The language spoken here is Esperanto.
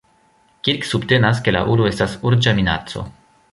Kirk subtenas, ke la ulo estas urĝa minaco.